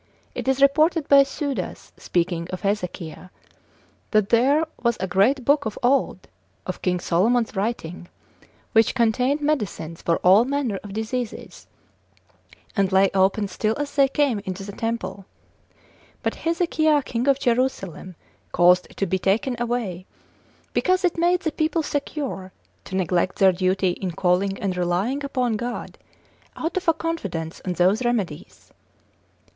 It is reported by Suidas, speaking of Hezekiah, that there was a great book of old, of King Solomon's writing, which contained medicines for all manner of diseases, and lay open still as they came into the temple: but Hezekiah king of Jerusalem, caused it to be taken away, because it made the people secure, to neglect their duty in calling and relying upon God, out of a confidence on those remedies.